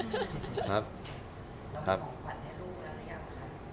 ของขวัญให้ลูกอะไรอย่างไรครับ